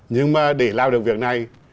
nhưng mà để làm được việc này